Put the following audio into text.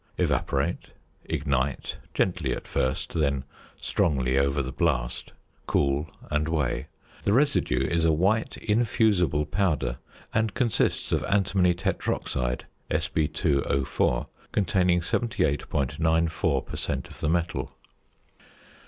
Evaporate; ignite, gently at first, then strongly over the blast; cool, and weigh. The residue is a white infusible powder, and consists of antimony tetroxide, Sb_O_, containing 78.94 per cent. of the metal.